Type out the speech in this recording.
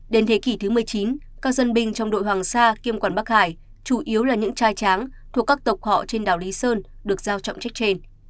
đến thế kỷ thứ một mươi chín các dân binh trong đội hoàng sa kiêm quản bắc hải chủ yếu là những trai tráng thuộc các tộc họ trên đảo lý sơn được giao trọng trách trên